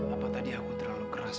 apa tadi aku terlalu keras